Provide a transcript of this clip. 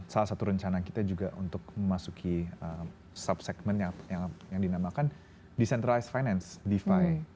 salah satu rencana kita juga untuk memasuki sub segment yang dinamakan decentralized finance defi